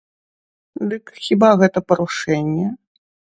Дык хіба гэта парушэнне?